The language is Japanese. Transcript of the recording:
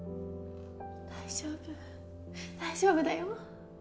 大丈夫大丈夫だよ。